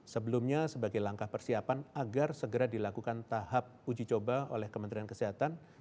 sebelumnya sebagai langkah persiapan agar segera dilakukan tahap uji coba oleh kementerian kesehatan